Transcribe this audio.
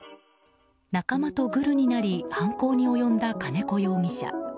仲間とグルになり犯行に及んだ金子容疑者。